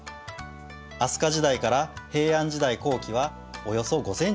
飛鳥時代から平安時代後期はおよそ５センチになります。